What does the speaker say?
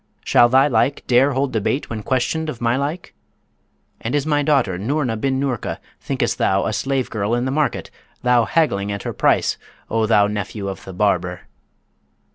Shall thy like dare hold debate when questioned of my like? And is my daughter Noorna bin Noorka, thinkest thou, a slave girl in the market, thou haggling at her price, O thou nephew of the barber?'